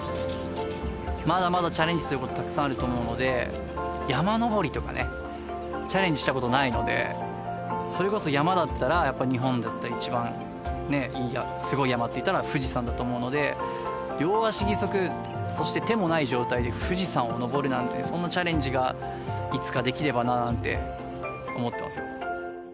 まだまだチャレンジすることたくさんあると思うので、山登りとかね、チャレンジしたことないので、それこそ山だったら、やっぱり日本だったら、一番すごい山っていったら富士山だと思うので、両足義足、そして手もない状態で富士山を登るなんて、そんなチャレンジがいつかできればななんて思ってます。